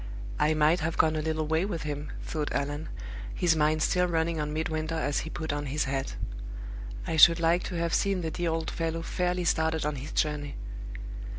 "I might have gone a little way with him," thought Allan, his mind still running on Midwinter as he put on his hat. "I should like to have seen the dear old fellow fairly started on his journey."